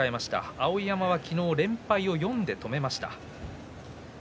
碧山は昨日連敗を４で止めました。